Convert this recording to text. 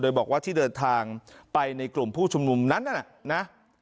โดยบอกว่าที่เดินทางไปในกลุ่มผู้ชุมนุมนั้นนั่นน่ะนะ